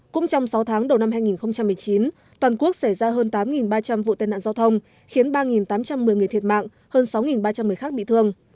cũng trong sáu tháng đầu năm hai nghìn một mươi chín toàn quốc xảy ra hơn tám ba trăm linh vụ tên nạn giao thông khiến ba tám trăm một mươi người thiệt mạng hơn sáu ba trăm một mươi khác bị thương